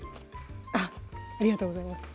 ありがとうございます